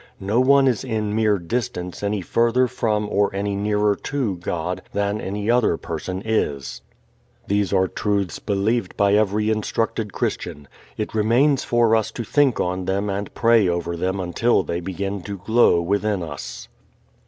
No one is in mere distance any further from or any nearer to God than any other person is. These are truths believed by every instructed Christian. It remains for us to think on them and pray over them until they begin to glow within us.